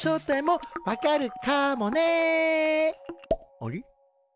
あれ？